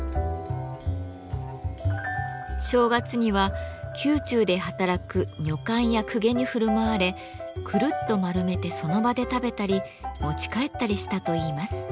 正月には宮中で働く女官や公家に振る舞われくるっと丸めてその場で食べたり持ち帰ったりしたといいます。